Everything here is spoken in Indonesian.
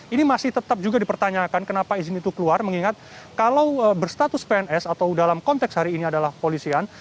ini masih tetap juga dipertanyakan kenapa izin itu keluar mengingat kalau berstatus pns atau dalam konteks hari ini adalah polisian